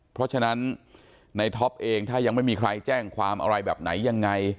เพราะฉะนั้นในท็อปเองถ้ายังไม่มีใครแจ้งความอะไรแบบไหนยังไง